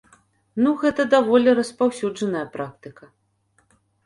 Ну, гэта даволі распаўсюджаная практыка.